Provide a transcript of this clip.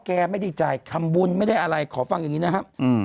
แกไม่ได้จ่ายทำบุญไม่ได้อะไรขอฟังอย่างนี้นะครับ